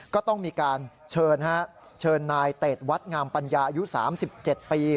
ก็ต้องมีการเชิญฮะเชิญนายเตดวัดงามปัญญาอายุ๓๗ปี